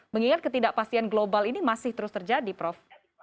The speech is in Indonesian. mengingat ketidakpastian global ini masih terus terjadi prof